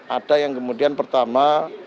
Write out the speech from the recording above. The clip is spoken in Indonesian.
ada yang kemudian pertama